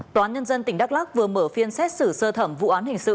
tòa nhân dân tỉnh đắk lắc vừa mở phiên xét xử sơ thẩm vụ án hình sự